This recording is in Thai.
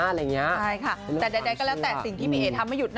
ใช่ค่ะแต่ใดก็แล้วแต่สิ่งที่พี่เอ๋ทำไม่หยุดนะ